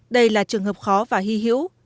đây là trường hợp khó và hy hiểu